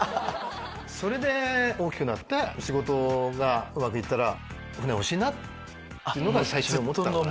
それで大きくなって仕事がうまく行ったら船欲しいなっていうのが最初思ったから。